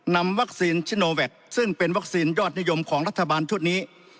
นำวักซีนซึ่งเป็นวักซีนยอดนยมของรัฐบาลทุกนี้